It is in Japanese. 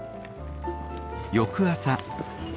翌朝。